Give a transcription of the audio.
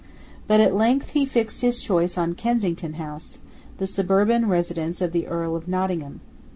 But he at length fixed his choice on Kensington House, the suburban residence of the Earl of Nottingham.